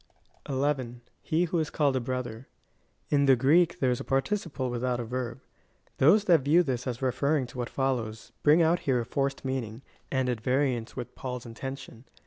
11. If he who is called a brother. In the Greek there is a participle^ without a verb.* Those that view this as refer ring to what follows, bring out here a forced meaning, and at variance with Paul's intention.